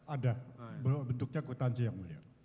ada bentuknya kuitansi yang mulia